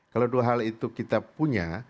kalau dua hal itu kita punya